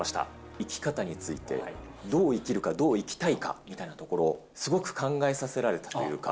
生き方についてどう生きるか、どう生きたいかみたいなところを、すごく考えさせられたというか。